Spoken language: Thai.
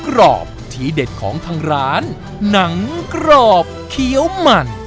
กรอบทีเด็ดของทางร้านหนังกรอบเขียวมัน